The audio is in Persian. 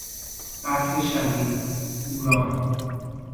برف شدید، بوران